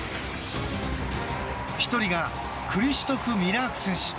１人がクリシュトフ・ミラーク選手。